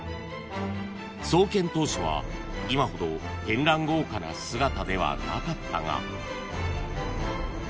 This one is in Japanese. ［創建当初は今ほど絢爛豪華な姿ではなかったが］